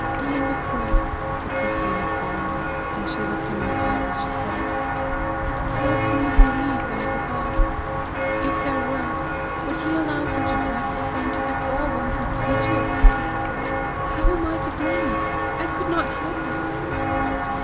"Ian Macruadh," said Christina solemnly, and she looked him in the eyes as she said it, "how can you believe there is a God? If there were, would he allow such a dreadful thing to befall one of his creatures? How am I to blame? I could not help it!"